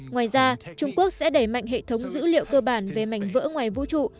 ngoài ra trung quốc sẽ đẩy mạnh hệ thống dữ liệu cơ bản về mảnh vỡ ngoài vũ trụ